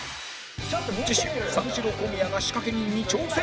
次週三四郎小宮が仕掛け人に挑戦！